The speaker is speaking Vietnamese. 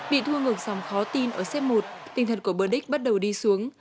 bị thua ngược xong khó tin ở xét một tinh thần của burdick bắt đầu đi xuống